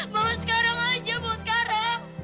bawa sekarang aja bawa sekarang